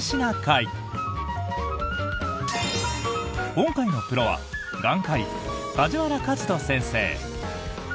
今回のプロは眼科医、梶原一人先生。